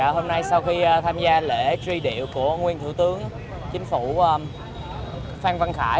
hôm nay sau khi tham gia lễ truy điệu của nguyên thủ tướng chính phủ phan văn khải